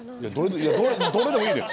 いやどれでもいいのよ。